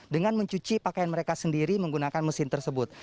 dengan mencuci pakaian mereka sendiri menggunakan mesin tersebut